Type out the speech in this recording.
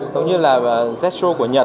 giống như là zestro của nhật